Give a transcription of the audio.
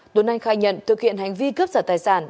tuấn anh khai nhận thực hiện hành vi cướp giật tài sản